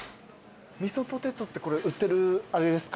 みそぽてとって売ってるあれですか？